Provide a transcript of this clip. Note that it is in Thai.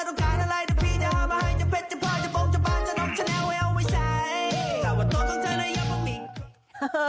แต่ว่าตัวต้องใช้หน่อยยังมักบิง